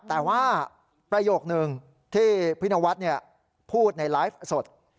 แต่ว่าประโยคนึงที่พี่นวัฒน์พูดในไลฟ์สด